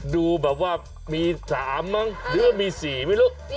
ดูแบบว่ามี๓มั้งหรือว่ามี๔ไม่รู้